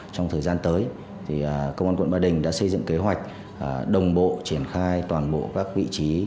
trong thời gian tới công an quận ba đình đã xây dựng kế hoạch đồng bộ triển khai toàn bộ các vị trí